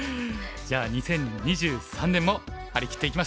じゃあ２０２３年も張り切っていきましょう。